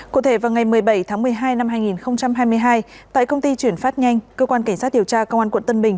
cụ thể vào ngày một mươi bảy tháng một mươi hai năm hai nghìn hai mươi hai tại công ty chuyển phát nhanh cơ quan cảnh sát điều tra công an quận tân bình